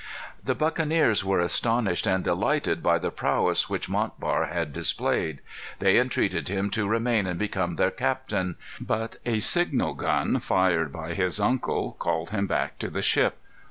The buccaneers were astonished and delighted by the prowess which Montbar had displayed. They entreated him to remain and become their captain. But a signal gun, fired by his uncle, called him back to the ship.